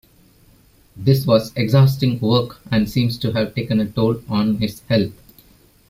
This was exhausting work and seems to have taken a toll on his health.